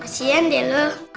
kasian deh lu